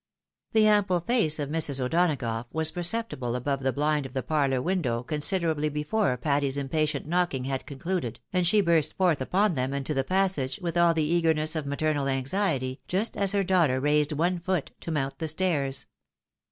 The ample face of Mrs. O'Donagough was perceptible above the bhnd of the parlour window considerably before Patty's im patient knocking had concluded, and she burst forth upon them into the passage with all the eagerness of maternal anxiety, just as her daughter raised one foot to mount the stairs.